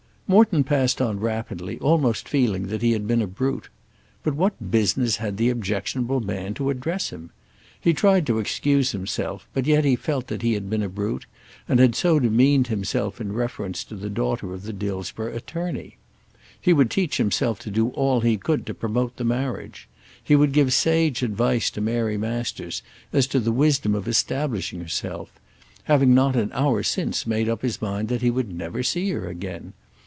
Morton passed on rapidly, almost feeling that he had been a brute. But what business had the objectionable man to address him? He tried to excuse himself, but yet he felt that he had been a brute, and had so demeaned himself in reference to the daughter of the Dillsborough attorney! He would teach himself to do all he could to promote the marriage. He would give sage advice to Mary Masters as to the wisdom of establishing herself, having not an hour since made up his mind that he would never see her again!